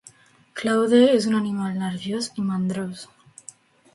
Claude és un animal nerviós i mandrós.